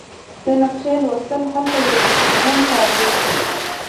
د نقشې لوستل هلته یو ستونزمن کار دی